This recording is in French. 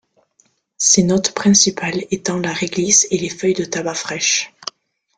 Ses notes principales étant la réglisse et les feuilles de tabac fraîches.